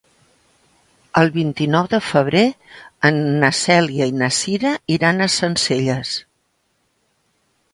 El vint-i-nou de febrer na Cèlia i na Cira iran a Sencelles.